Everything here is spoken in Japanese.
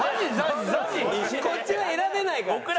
こっちは選べないから。